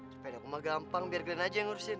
sepeda aku mah gampang biar glenn aja yang ngurusin